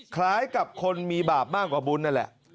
คล้ายกับคนมีบาปมากกว่าบุญนั่นแหละ